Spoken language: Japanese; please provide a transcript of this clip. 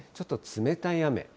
ちょっと冷たい雨。